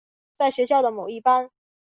在学校的某一班。